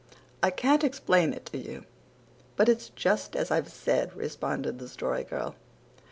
"I can't explain it to you but it's just as I've said," responded the Story Girl.